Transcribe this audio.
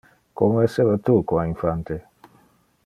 Como esseva tu qua infante?